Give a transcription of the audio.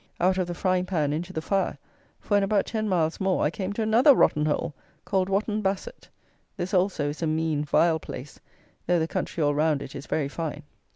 "Out of the frying pan into the fire;" for in about ten miles more I came to another rotten hole, called Wotton Basset! This also is a mean, vile place, though the country all round it is very fine.